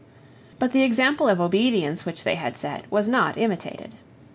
But the example of obedience which they had set was not imitated.